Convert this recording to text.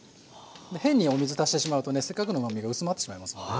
変にお水足してしまうとねせっかくのうまみが薄まってしまいますので。